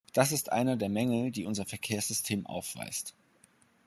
Das ist einer der Mängel, die unser Verkehrssystem aufweist.